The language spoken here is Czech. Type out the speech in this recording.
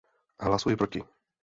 Hlasuji proti.